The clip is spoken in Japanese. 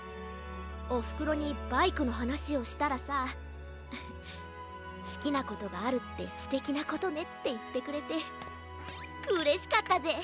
おふくろにバイクのはなしをしたらさ「すきなことがあるってすてきなことね」っていってくれてうれしかったぜ。